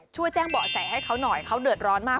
ช่วยแจ้งเบาะแสให้เขาหน่อยเขาเดือดร้อนมาก